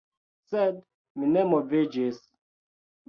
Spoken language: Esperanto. Sed mi ne moviĝis.